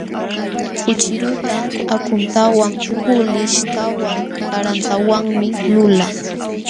Puchiruta akhuntawan, kuulishtawan, karantawanmi lulaa.